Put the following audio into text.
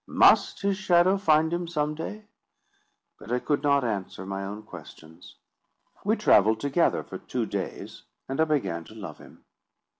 "Must his shadow find him some day?" But I could not answer my own questions. We travelled together for two days, and I began to love him.